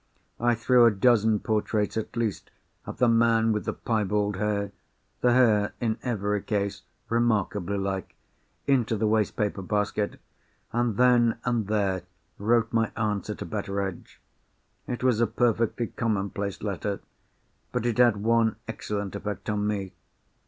I threw a dozen portraits, at least, of the man with the piebald hair (the hair in every case, remarkably like), into the waste paper basket—and then and there, wrote my answer to Betteredge. It was a perfectly commonplace letter—but it had one excellent effect on me.